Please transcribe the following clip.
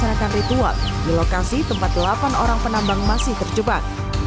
masyarakat ritual di lokasi tempat delapan orang penambang masih terjebak